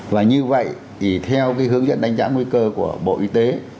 và như vậy theo hướng dẫn đánh giá nguy cơ của bộ y tế